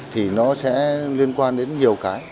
thì nó sẽ liên quan đến nhiều cái